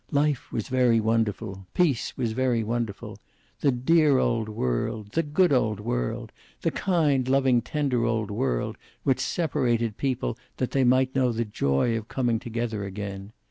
Life was very wonderful; peace was very wonderful. The dear old world. The good old world. The kind, loving, tender old world, which separated people that they might know the joy of coming together again.